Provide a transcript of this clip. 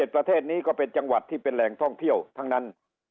ประเทศนี้ก็เป็นจังหวัดที่เป็นแหล่งท่องเที่ยวทั้งนั้น